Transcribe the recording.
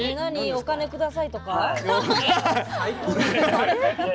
お金くださいとか？